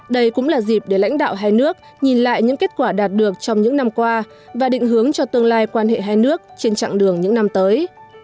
đây cũng là dịp để lãnh đạo hai nước nhìn lại những kết quả đạt được trong những năm qua và định hướng cho tương lai quan hệ hai nước trên chặng đường những năm tới